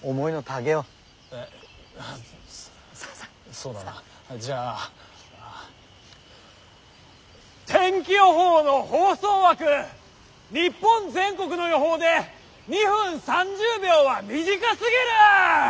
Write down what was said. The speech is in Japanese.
そうだなじゃあ天気予報の放送枠日本全国の予報で２分３０秒は短すぎる！